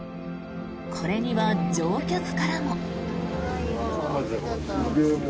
これには乗客からも。